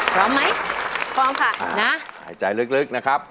พร้อมไหมพร้อมค่ะนะหายใจลึกนะครับ